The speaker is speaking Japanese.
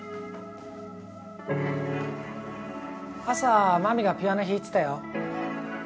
朝まみがピアノひいてたよ。